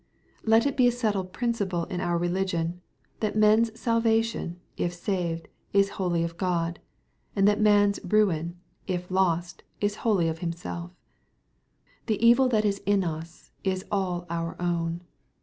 1 Let it be a settled principle in our religionj[that men^ salvation, if saved, is who lly of God ; and that man's ruin, if lost^ is wholly of himself^/ The evil that ia, iana is all our own.